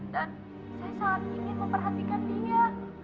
dan saya sangat ingin memperhatikan dia